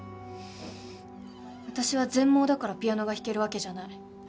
私は全盲だからピアノが弾けるわけじゃない。